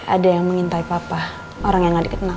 ada yang mengintai papa orang yang gak dikenal